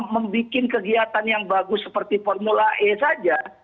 membuat kegiatan yang bagus seperti formula e saja